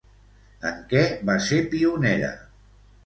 En què va ser pionera?